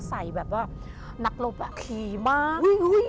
ใส่แบบว่านักรบผีมาก